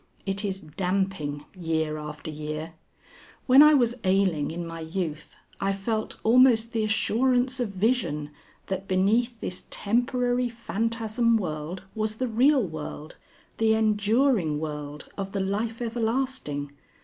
It is damping year after year. When I was ailing in my youth I felt almost the assurance of vision that beneath this temporary phantasm world was the real world the enduring world of the Life Everlasting.